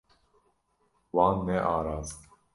Wan nearast.